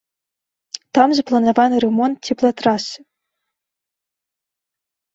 Там запланаваны рамонт цеплатрасы.